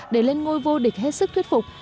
để lên ngôi vô địch hết sức thuyết phục